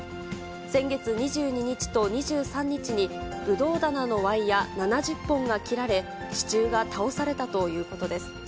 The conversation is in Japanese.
先月２２日と２３日に、ブドウ棚のワイヤ７０本が切られ、支柱が倒されたということです。